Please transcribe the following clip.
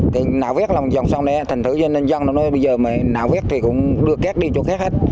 cái nạo vét là một dòng sông này á thành thử dân nhân dân nó nói bây giờ mà nạo vét thì cũng đưa két đi chỗ két hết